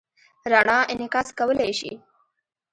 رڼا انعکاس کولی شي.